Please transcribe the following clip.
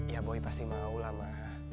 ya boy pasti maulah ma